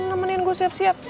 nemenin gue siap siap